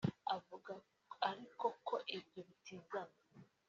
Avuga ariko ko ibyo bitizana